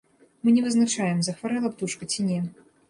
Мы не вызначаем, захварэла птушка ці не.